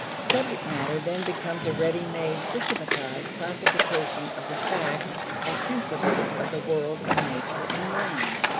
Subject matter then becomes a ready made systematized classification of the facts and principles of the world of nature and man.